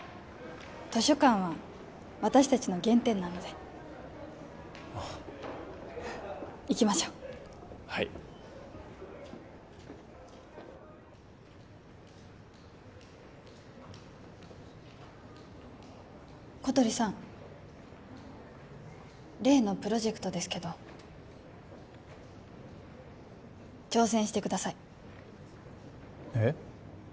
図書館は私達の原点なのであっ行きましょうはい小鳥さん例のプロジェクトですけど挑戦してくださいえっ？